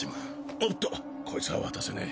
おっとこいつは渡せねえ。